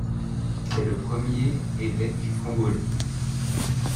C'est le premier évêque congolais.